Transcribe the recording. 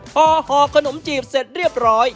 พอห่อขนมจีบเสร็จเรียบร้อย